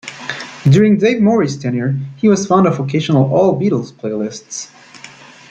During Dave Morey's tenure, he was fond of occasional all-Beatles playlists.